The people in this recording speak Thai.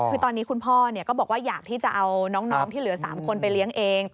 คือตอนนี้คุณพ่อก็บอกว่าอยากที่จะเอาน้องที่เหลือ๓คนไปเลี้ยงเอง